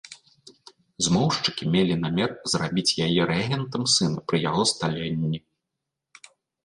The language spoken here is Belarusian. Змоўшчыкі мелі намер зрабіць яе рэгентам сына пры яго сталенні.